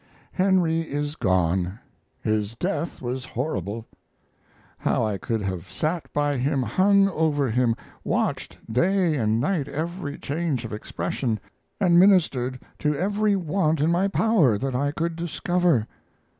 Henry is gone! His death was horrible! How I could have sat by him, hung over him, watched day and night every change of expression, and ministered to every want in my power that I could discover.